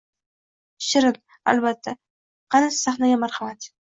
Shirin: albatta, kani sahnaga marhamat